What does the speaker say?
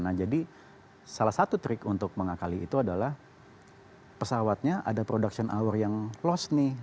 nah jadi salah satu trik untuk mengakali itu adalah pesawatnya ada production hour yang lost nih